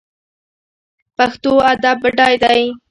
پښتو ادب بډای دی